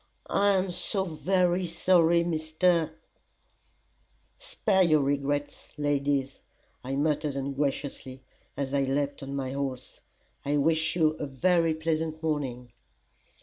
"I am so very sorry, Mr. ." "Spare your regrets, ladies," I muttered ungraciously, as I leapt on my horse. "I wish you a very pleasant morning."